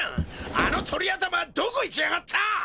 あのトリ頭はどこ行きやがった！？